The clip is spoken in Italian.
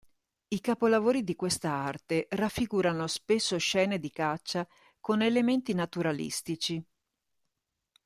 I capolavori di questa arte raffigurano spesso scene di caccia con elementi naturalistici.